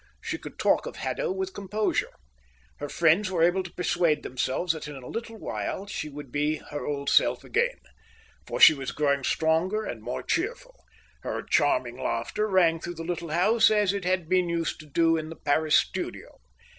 She could talk of Haddo with composure. Her friends were able to persuade themselves that in a little while she would be her old self again, for she was growing stronger and more cheerful; her charming laughter rang through the little house as it had been used to do in the Paris studio.